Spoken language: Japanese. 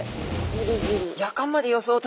ギリギリ。